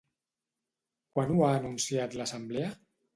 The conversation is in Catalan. Quan ho ha anunciat l'Assemblea?